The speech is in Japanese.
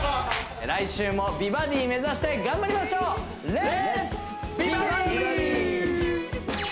来週も美バディ目指して頑張りましょうレッツ！